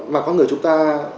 mà con người chúng ta